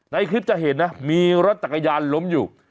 ในคลิปจะเห็นนะมีรถจักรยานล้มอยู่